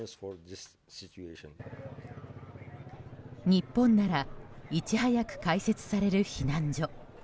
日本ならいち早く開設される避難所。